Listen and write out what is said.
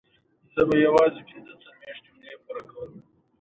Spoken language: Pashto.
کائنات یوه ورځ ختمیدونکي دي الله ج په قران کې داسې ویلي دی.